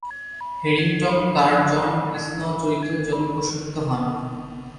Harrington তার Jon Snow চরিত্রের জন্য প্রশংসিত হন।